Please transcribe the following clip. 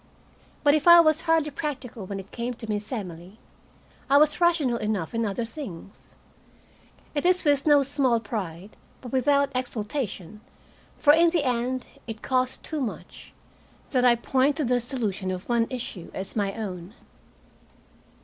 But if I was hardly practical when it came to Miss Emily, I was rational enough in other things. It is with no small pride but without exultation, for in the end it cost too much that I point to the solution of one issue as my own.